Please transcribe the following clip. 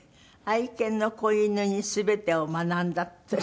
愛犬の子犬に全てを学んだって？